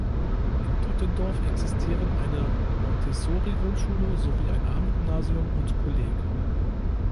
In Dottendorf existieren eine Montessori-Grundschule sowie ein Abendgymnasium und Kolleg.